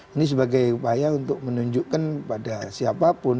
ini sebagai upaya untuk menunjukkan pada siapapun